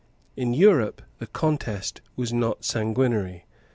In Europe the contest was not sanguinary.